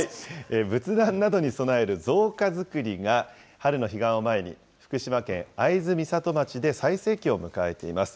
仏壇などに供える造花づくりが、春の彼岸を前に、福島県会津美里町で最盛期を迎えています。